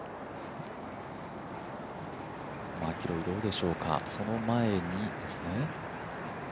マキロイ、どうでしょうかその前にですね。